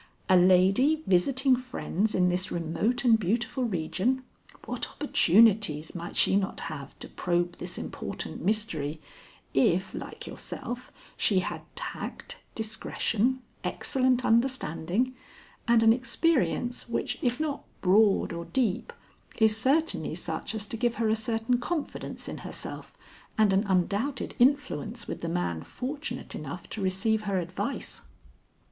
A lady visiting friends in this remote and beautiful region what opportunities might she not have to probe this important mystery if, like yourself, she had tact, discretion, excellent understanding, and an experience which if not broad or deep is certainly such as to give her a certain confidence in herself, and an undoubted influence with the man fortunate enough to receive her advice."